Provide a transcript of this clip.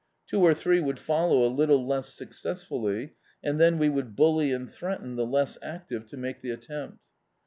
Two or three would follow a little less successfully, and then we would bully and threaten the less active to make the attempt.